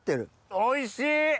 おいしい！